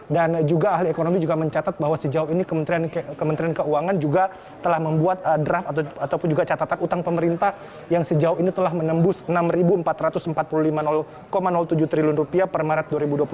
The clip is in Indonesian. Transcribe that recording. dan juga ahli ekonomi juga mencatat bahwa sejauh ini kementerian keuangan juga telah membuat draft ataupun juga catatan hutang pemerintah yang sejauh ini telah menembus rp enam empat ratus empat puluh lima tujuh triliun per maret dua ribu dua puluh satu